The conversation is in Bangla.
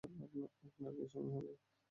আপনার কি সময় হবে?